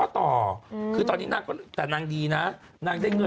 แต่นางเลยดีนะ